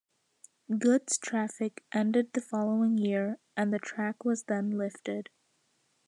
Goods traffic ended the following year and the track was then lifted.